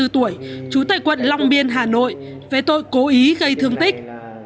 hai mươi bốn tuổi chủ tịch quận long biên hà nội về tội cố ý gây thương tích